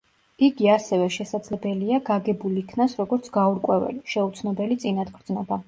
იგი ასევე შესაძლებელია გაგებულ იქნას როგორც „გაურკვეველი, შეუცნობელი წინათგრძნობა“.